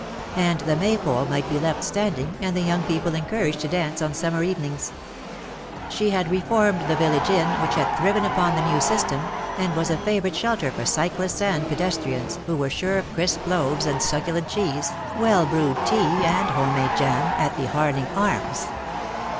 And the Maypole might be left standing, and the young people encouraged to dance on summer evenings. She had reformed the village Inn, which had thriven upon the new system, and was a favourite shelter for cyclists and pedestrians, who were sure of crisp loaves and succulent cheese, well brewed tea and home made jam, at the "Har ling Arms."